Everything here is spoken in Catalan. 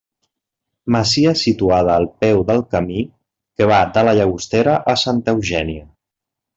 Masia situada a peu del camí que va de la Llagostera a Santa Eugènia.